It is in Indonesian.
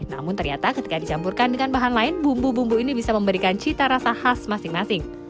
namun ternyata ketika dicampurkan dengan bahan lain bumbu bumbu ini bisa memberikan cita rasa khas masing masing